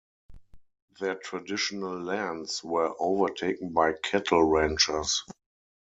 Their traditional lands were overtaken by cattle ranchers.